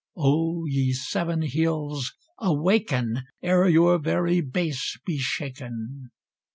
O ye seven hills! awaken, Ere your very base be shaken!